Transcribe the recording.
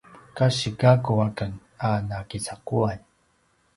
kasi gakku aken a nakicaquan